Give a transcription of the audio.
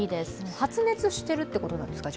発熱しているということなんですか？